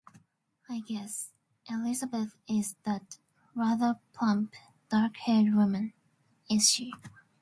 I guess, Elizabeth is that rather plump, dark-haired woman, is she?